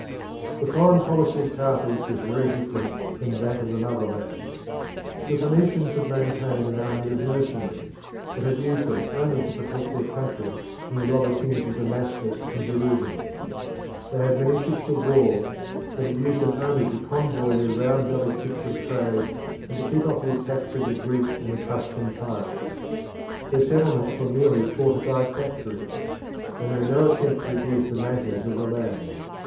The foreign policy of Carthage was very different from that of the motherland. The Phoenicians had maintained an army of mercenaries, but had used them only to protect their country from the robber kings of Damascus and Jerusalem. They had many ships of war, but had used them only to convoy their round bellied ships of trade and to keep off the attacks of the Greek and Etruscan pirates. Their settlements were merely fortified factories; they made no attempt to reduce the natives of the land.